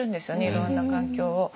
いろんな環境を。